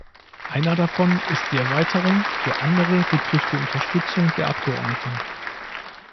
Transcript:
Einer davon ist die Erweiterung, der andere betrifft die Unterstützung der Abgeordneten.